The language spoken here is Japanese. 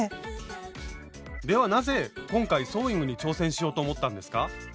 ではなぜ今回ソーイングに挑戦しようと思ったんですか？